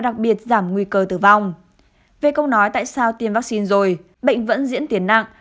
đặc biệt giảm nguy cơ tử vong về câu nói tại sao tiêm vaccine rồi bệnh vẫn diễn tiến nặng